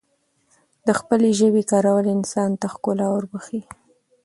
دخپلې ژبې کارول انسان ته ښکلا وربښی